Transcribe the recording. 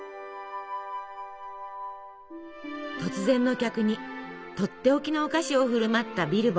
突然の客にとっておきのお菓子を振る舞ったビルボ。